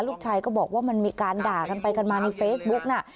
ลูกชายก็บอกว่ามันมีการด่ากันไปกันมาในเฟซบุ๊กน่ะ